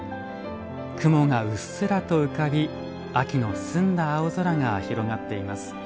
雲がうっすらと浮かび秋の澄んだ青空が広がっています。